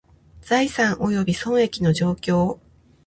財産および損益の状況